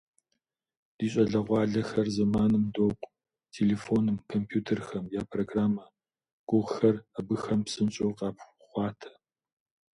Ди щӏалэгъуалэр зэманым докӏу - телефоным, компьютерхэм я программэ гугъухэр абыхэм псынщӏэу къапхъуатэ.